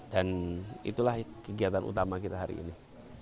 dan itulah kegiatan utama kita hari ini